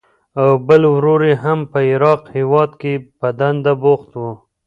او بل ورور یې هم په عراق هېواد کې په دنده بوخت و.